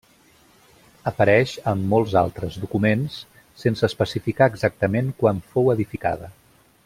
Apareix en molts altres documents, sense especificar exactament quan fou edificada.